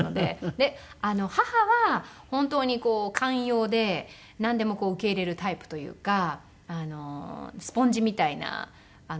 母は本当に寛容でなんでもこう受け入れるタイプというかスポンジみたいな人なんですよ。